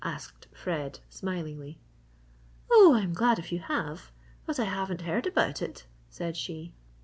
asked Fred, smilingly. "Oh, I'm glad if you have, but I haven't heard about it," said she.